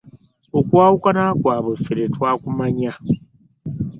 Okwawukana kwabwe ffe tetwakumanya.